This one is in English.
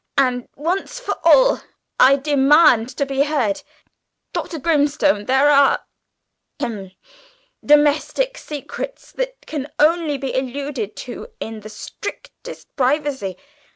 And, once for all, I demand to be heard! Dr. Grimstone, there are, ahem, domestic secrets that can only be alluded to in the strictest privacy.